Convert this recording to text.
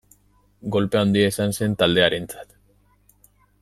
Kolpe handia izan zen taldearentzat.